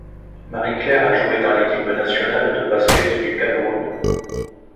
Marie-Claire a joué dans l'équipe nationale de basket du Cameroun.